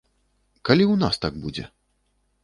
Калі ў нас так будзе?